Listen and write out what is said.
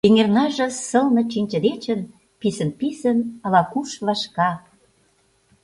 Эҥернаже сылне чинче дечын, писын-писын ала-куш вашка.